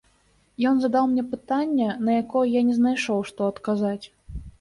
Ён задаў мне пытанне, на якое я не знайшоў, што адказаць.